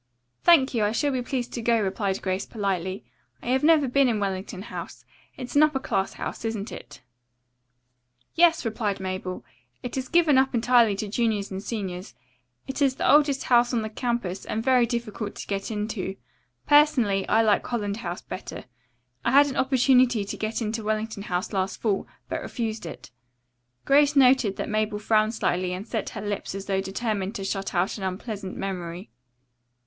"Thank you, I shall be pleased to go," replied Grace politely. "I have never been in Wellington House. It is an upper class house, isn't it?" "Yes," replied Mabel. "It is given up entirely to juniors and seniors. It is the oldest house on the campus, and very difficult to get into. Personally, I like Holland House better. I had an opportunity to get into Wellington House last fall, but refused it." Grace noted that Mabel frowned slightly and set her lips as though determined to shut out an unpleasant memory.